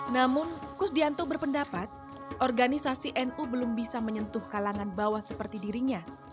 namun kusdianto berpendapat organisasi nu belum bisa menyentuh kalangan bawah seperti dirinya